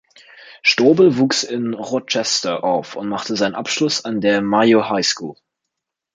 Strobel wuchs in Rochester auf und machte seinen Abschluss an der Mayo High School.